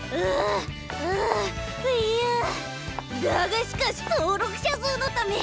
だがしかし登録者数のため！